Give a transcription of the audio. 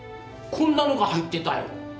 こんなのが入ってたよ。